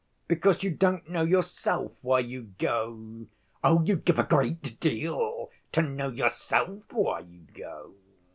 Because you don't know yourself why you go! Oh, you'd give a great deal to know yourself why you go!